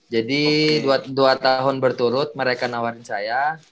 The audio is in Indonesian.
jadi dua tahun berturut mereka nawarin saya